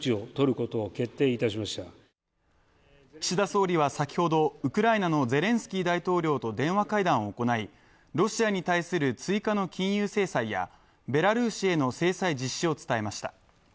岸田総理は先ほどウクライナのゼレンスキー大統領と電話会談を行い、ロシアに対する追加の金融制裁やベラルーシへの制裁実施を伝えました。